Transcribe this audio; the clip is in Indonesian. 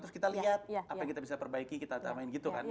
terus kita lihat apa yang kita bisa perbaiki kita utamain gitu kan